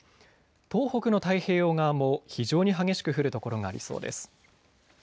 東北の太平洋側も非常に激しく降る所がありそうです。